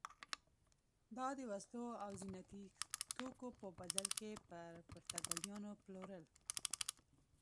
دا د وسلو او زینتي توکو په بدل کې پر پرتګالیانو پلورل.